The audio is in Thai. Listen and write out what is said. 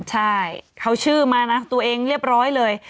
ใช่เขาชื่อมานะตัวเองเรียบร้อยเลย